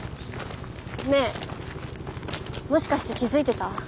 ねえもしかして気付いてた？